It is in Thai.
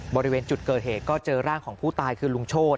บริเวณจุดเกิดเหตุก็เจอร่างของผู้ตายคือลุงโชธ